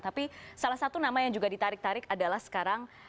tapi salah satu nama yang juga ditarik tarik adalah sekarang